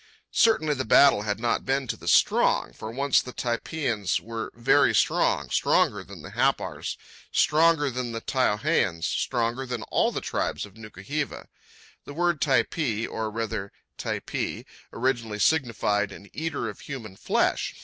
Certainly the battle had not been to the strong, for once the Typeans were very strong, stronger than the Happars, stronger than the Taiohaeans, stronger than all the tribes of Nuku hiva. The word "typee," or, rather, "taipi," originally signified an eater of human flesh.